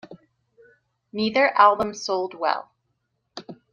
Neither album sold well.